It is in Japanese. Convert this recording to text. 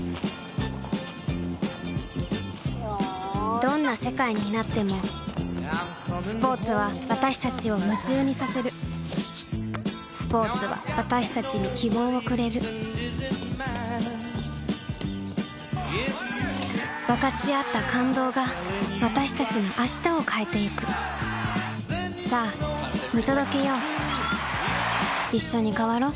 どんな世界になってもスポーツは私たちを夢中にさせるスポーツは私たちに希望をくれる分かち合った感動が私たちの明日を変えてゆくさあ見届けよういっしょに変わろう。